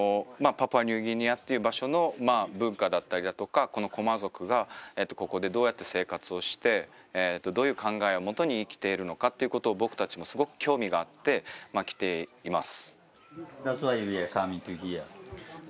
パプアニューギニアっていう場所の文化だったりだとかこのクォマ族がここでどうやって生活をしてどういう考えをもとに生きているのかということを僕達もすごく興味があってまあ来ています